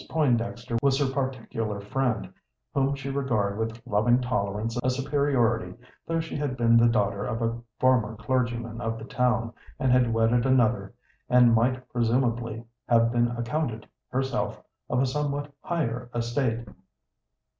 Pointdexter was her particular friend, whom she regarded with loving tolerance of superiority, though she had been the daughter of a former clergyman of the town, and had wedded another, and might presumably have been accounted herself of a somewhat higher estate.